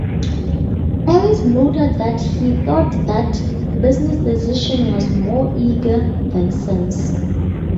Ellis noted that he thought that business decision was more "eager than sense".